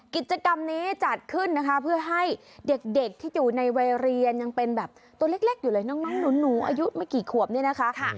กิจกรรมนี้จัดขึ้นนะคะเพื่อให้เด็กที่อยู่ในวัยเรียนยังเป็นแบบตัวเล็กอยู่เลยน้องหนูอายุไม่กี่ขวบเนี่ยนะคะ